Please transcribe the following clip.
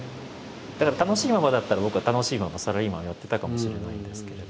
だから楽しいままだったら僕は楽しいままサラリーマンをやってたかもしれないんですけれど。